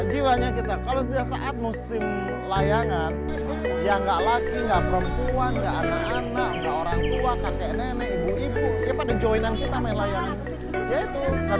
jiwanya kita kalau saat musim layangan yang nggak laki nggak perempuan nggak anak anak nggak orang tua kakek nenek ibu ibu ya pada joinan kita main layangan